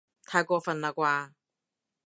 太過分喇啩